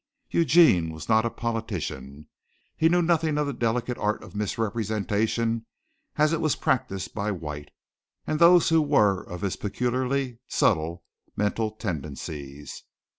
Eugene was not a politician. He knew nothing of the delicate art of misrepresentation as it was practised by White and those who were of his peculiarly subtle mental tendencies.